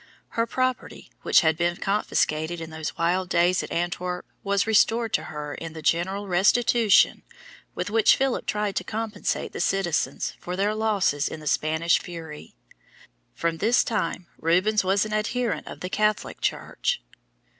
Her property, which had been confiscated in those wild days at Antwerp, was restored to her in the general restitution with which Philip tried to compensate the citizens for their losses in the Spanish Fury. From this time Rubens was an adherent of the Catholic Church.